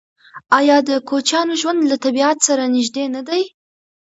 آیا د کوچیانو ژوند له طبیعت سره نږدې نه دی؟